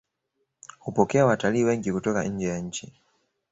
hupokea watalii wengi kutoka njee ya nchi